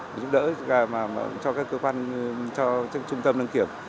để giúp đỡ cho các cơ quan cho trung tâm đăng kiểm